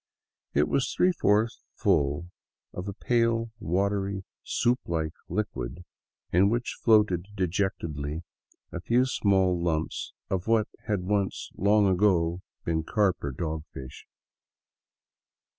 It was three fourths full of a pale, watery, soup like liquid in which floated dejectedly a few small lumps of what had once long ago been carp or dog fish.